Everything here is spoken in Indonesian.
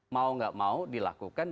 mau gak mau dilakukan